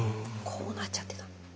こうなっちゃってた。